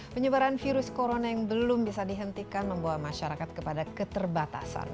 penyebaran virus corona yang belum bisa dihentikan membawa masyarakat kepada keterbatasan